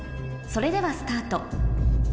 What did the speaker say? それではスタート